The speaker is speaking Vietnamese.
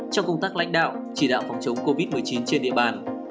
trong công tác lãnh đạo chỉ đạo phòng chống covid một mươi chín trên địa bàn